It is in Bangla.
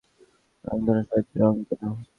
রংধনুতে সাতটি রং কেন?